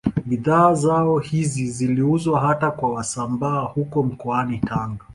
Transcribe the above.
Bidhaa zao hizi ziliuzwa hata kwa Wasambaa huko mkoani Tanga